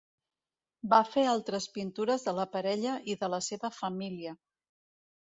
Va fer altres pintures de la parella i de la seva família.